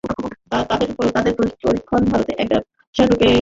তথ্যের পরীক্ষণ ভারতে এক ব্যবসায়ের রূপে গড়ে উঠতে শুরু করেছে।